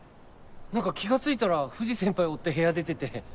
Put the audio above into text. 何か気が付いたら藤先輩追って部屋出てて。